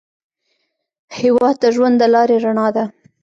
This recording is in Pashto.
هېواد د ژوند د لارې رڼا ده.